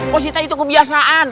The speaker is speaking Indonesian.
posi tai itu kebiasaan